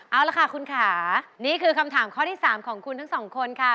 เอาละค่ะคุณค่ะนี่คือคำถามข้อที่๓ของคุณทั้งสองคนค่ะ